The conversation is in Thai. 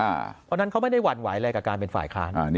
เพราะฉะนั้นเขาไม่ได้หวั่นไหวอะไรกับการเป็นฝ่ายค้าน